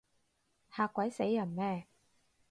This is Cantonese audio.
嚇鬼死人咩？